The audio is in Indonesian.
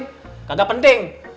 gak ada penting